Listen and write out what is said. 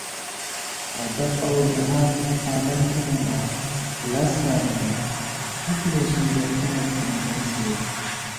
ادب اؤ لحاظَنہ پابند تھنئیم آں ، لز زانِمېم ، فُک نېسُوئی بہ خیر تھنہ نېسِیَؤ